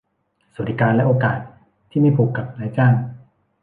สวัสดิการและโอกาสที่ไม่ผูกกับนายจ้าง